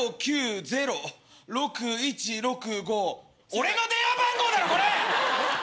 俺の電話番号だろこれ！